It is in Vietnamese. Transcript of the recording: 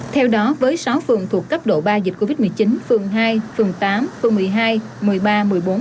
theo đó với sáu phường thuộc cấp độ ba dịch covid một mươi chín phường hai phường tám phường một mươi hai